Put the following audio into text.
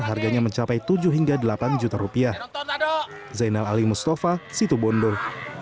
harganya mencapai tujuh hingga delapan juta rupiah